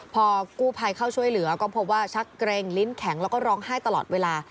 พอกู้ภัยเข้าช่วยเหลือก็พบว่าชักเกร็งลิ้นแข็งแล้วก็ร้องไห้ตลอดเวลา